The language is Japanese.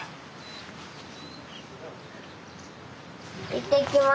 いってきます。